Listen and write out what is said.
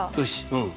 うん。